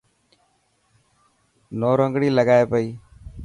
نورنگڻي لگائي پئي.